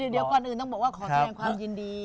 เชิญความยินดี